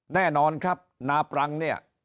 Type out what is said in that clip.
แน่นอนครับนาปรังเนี่ย